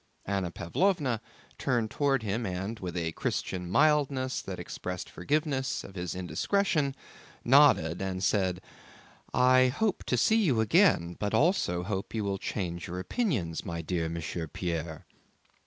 Anna Pávlovna turned toward him and, with a Christian mildness that expressed forgiveness of his indiscretion, nodded and said: "I hope to see you again, but I also hope you will change your opinions, my dear Monsieur Pierre."